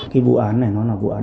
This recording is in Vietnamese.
cái vụ án này nó là vụ án